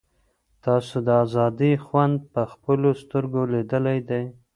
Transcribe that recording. تاسو د آزادۍ خوند په خپلو سترګو لیدلی دی.